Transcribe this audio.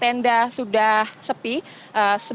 sebagian warga ini sudah katakan disini hanya konstring potatoes